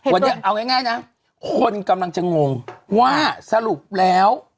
วันนี้เอาง่ายนะคนกำลังจะงงว่าสรุปแล้ว